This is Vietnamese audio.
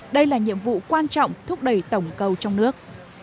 đây là nhiệm vụ quan trọng thúc đẩy tổng cầu trong nước